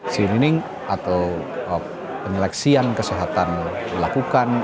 screening atau penyeleksian kesehatan dilakukan